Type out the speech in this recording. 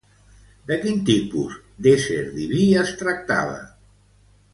De quin tipus d'ésser diví es tractava?